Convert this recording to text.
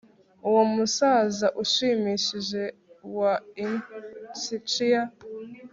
uwo musaza ushimishije wa ischia